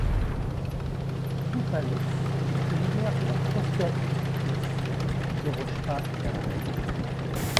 Boupalos, originaire de la prospère île de Chios, ne déroge pas à la règle.